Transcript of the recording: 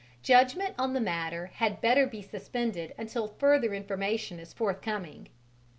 Judgment on the matter had better be suspended until further information is forthcoming.